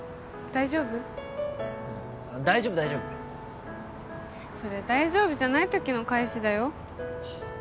大丈夫大丈夫それ大丈夫じゃない時の返しだよ